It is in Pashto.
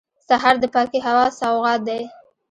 سهار د پاکې هوا سوغات دی.